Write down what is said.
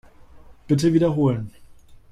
Bitte wiederholen.